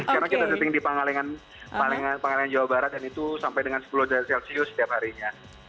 karena kita syuting di pangalengan jawa barat dan itu sampai dengan sepuluh derajat celcius setiap harinya